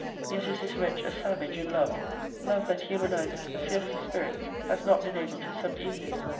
Yet is this wretch a savage in love. Love >>> that humanizes the fiercest spirits, has not been able to subdue his.